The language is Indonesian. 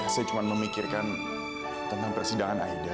saya cuma memikirkan tentang persidangan aida